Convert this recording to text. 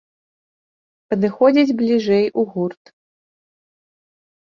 Падыходзіць бліжэй у гурт.